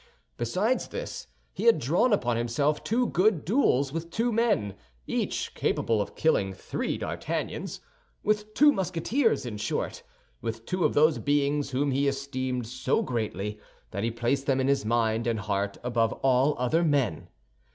Besides this, he had drawn upon himself two good duels with two men, each capable of killing three D'Artagnans—with two Musketeers, in short, with two of those beings whom he esteemed so greatly that he placed them in his mind and heart above all other men.